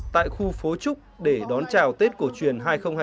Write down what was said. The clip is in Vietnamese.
tại khu phố trúc để đón chào tết cổ truyền hai nghìn hai mươi bốn